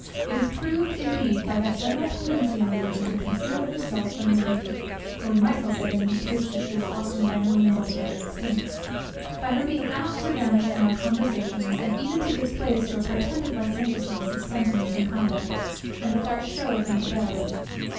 It is proved, indeed, by that general tendency in Religion to conceal herself from the view, (for we might hope that in these cases she often is by no means altogether extinct) by her being apt to vanish from our conversations, and even to give place to a pretended licentiousness of sentiments and conduct, and a false shew of infidelity.